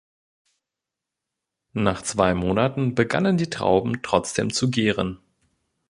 Nach zwei Monaten begannen die Trauben trotzdem zu gären.